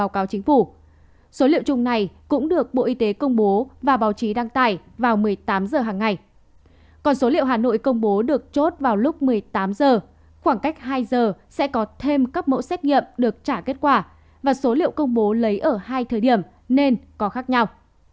còn số này còn số liệu hà nội công bố được chốt vào lúc một mươi tám h khoảng cách hai giờ sẽ có thêm các mẫu xét nghiệm được trả kết quả và số liệu công bố lấy ở hai thời điểm nên có khác nhau